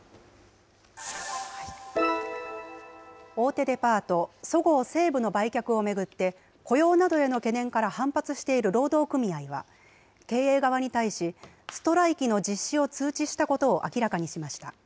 大手デパート、そごう・西武の売却を巡って、雇用などへの懸念から反発している労働組合は、経営側に対し、ストライキの実施を通知したことを明らかにしました。